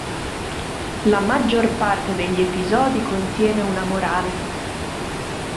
La maggior parte degli episodi contiene una morale.